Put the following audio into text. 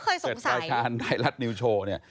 คือเราก็เคยสงสัยเสร็จประชาญในรัฐนิวโชว์เนี่ย